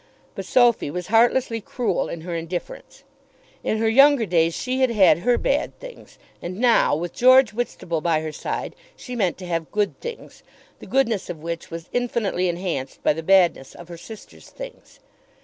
But Sophy was heartlessly cruel in her indifference. In her younger days she had had her bad things, and now, with George Whitstable by her side, she meant to have good things, the goodness of which was infinitely enhanced by the badness of her sister's things.